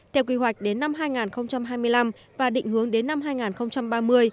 theo quy hoạch đến năm hai nghìn hai mươi năm và định hướng đến năm hai nghìn ba mươi